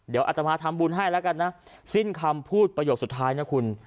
เดี๋ยวอัตมาทำบุญให้แล้วกันนะสิ้นคำพูดประโยคสุดท้ายนะคุณ